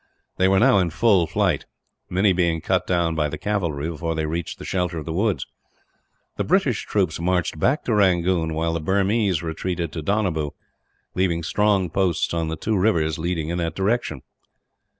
They were now in full flight, many being cut down by the cavalry before they reached the shelter of the woods. The British troops marched back to Rangoon; while the Burmese retreated to Donabew, leaving strong posts on the two rivers leading in that direction.